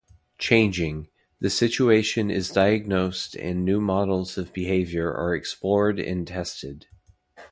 "Changing": The situation is diagnosed and new models of behavior are explored and tested.